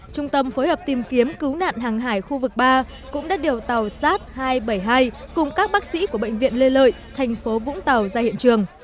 trung tâm phối hợp tìm kiếm cứu nạn hàng hải khu vực ba cũng đã điều tàu sát hai trăm bảy mươi hai cùng các bác sĩ của bệnh viện lê lợi thành phố vũng tàu ra hiện trường